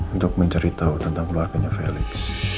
untuk menceritau tentang keluarganya felix